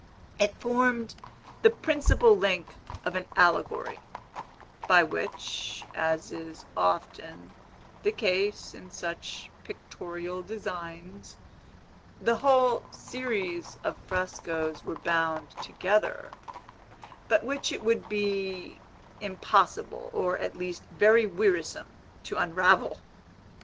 It formed the principal link of an allegory, by which (as is often the case in such pictorial designs) the whole series of frescos were bound together, but which it would be impossible, or, at least, very wearisome, to unravel.